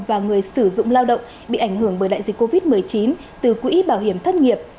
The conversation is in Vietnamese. và người sử dụng lao động bị ảnh hưởng bởi đại dịch covid một mươi chín từ quỹ bảo hiểm thất nghiệp